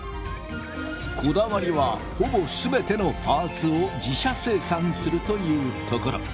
こだわりはほぼすべてのパーツを自社生産するというところ。